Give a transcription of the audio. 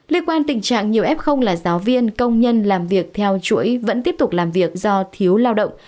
liên quan tình trạng nhiều f là giáo viên công nhân làm việc theo chuỗi vẫn tiếp tục làm việc do thiếu lao động